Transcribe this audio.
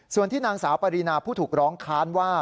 ส่วนที่นางสาวปรินาผู้ถูกร้องค้านว่า